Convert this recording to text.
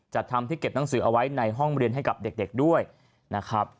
จัดทำที่เก็บหนังสือเอาไว้ในห้องเรียนให้กับเด็กด้วยนะครับ